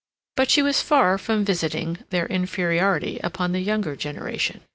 But she was far from visiting their inferiority upon the younger generation.